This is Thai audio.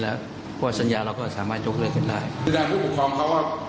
แล้วว่าสัญญาเราก็สามารถยกเลือกกันได้ผู้ของเขาว่า